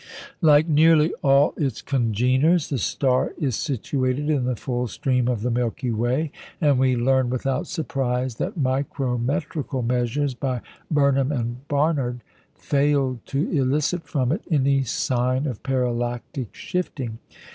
Like nearly all its congeners, the star is situated in the full stream of the Milky Way, and we learn without surprise that micrometrical measures by Burnham and Barnard failed to elicit from it any sign of parallactic shifting.